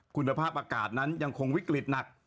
คุณภาพอากาศนั้นยังคงวิกฤตหนัก